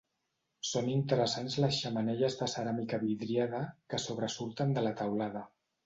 Són interessants les xemeneies de ceràmica vidriada que sobresurten de la teulada.